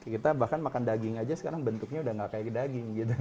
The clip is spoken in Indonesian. kita bahkan makan daging aja sekarang bentuknya udah gak kayak daging gitu